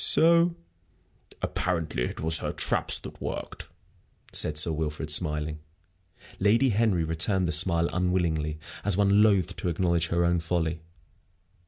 So " "Apparently it was her traps that worked," said Sir Wilfrid, smiling. Lady Henry returned the smile unwillingly, as one loath to acknowledge her own folly.